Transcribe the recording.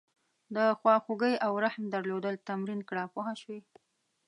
د خواخوږۍ او رحم درلودل تمرین کړه پوه شوې!.